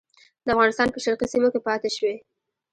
د افغانستان په شرقي سیمو کې پاته شوي.